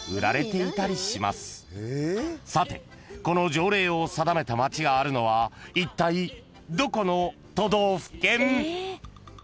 ［さてこの条例を定めた町があるのはいったいどこの都道府県？］